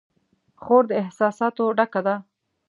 خور د احساساتو ډکه ده.